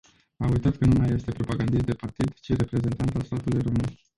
A uitat că nu mai este propagandist de partid, ci reprezentant al statului român.